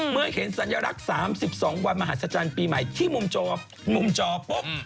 เมื่อเห็นสัญลักษณ์๓๒วันมหัศจรรย์ปีใหม่ที่มุมจอปุ๊บ